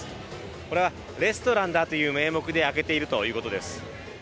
これはレストランだという名目で開けているということです。